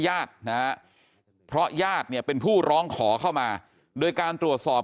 ญาตินะฮะเพราะญาติเนี่ยเป็นผู้ร้องขอเข้ามาโดยการตรวจสอบ